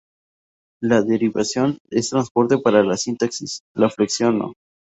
La derivación es transparente para la sintaxis, la flexión no.